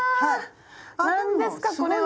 キャ何ですかこれは。